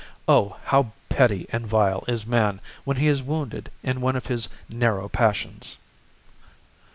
Oh, how petty and vile is man when he is wounded in one of his narrow passions!